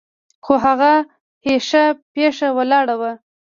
خو هغه هيښه پيښه ولاړه وه.